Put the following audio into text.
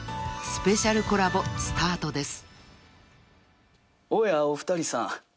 ［スペシャルコラボスタートです］